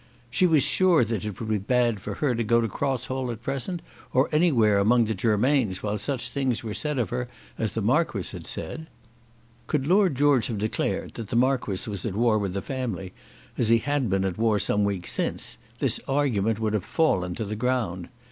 "She was sure that it would be bad for her to go to Cross Hall at present, or anywhere among the Germains, while such things were said of her as the Marquis had said." Could Lord George have declared that the Marquis was at war with the family as he had been at war some weeks since, this argument would have fallen to the ground.